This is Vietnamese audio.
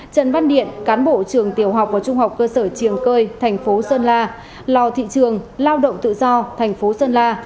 trần văn điện cán bộ trường tiểu học và trung học cơ sở triềng cơi thành phố sơn la lò thị trường lao động tự do thành phố sơn la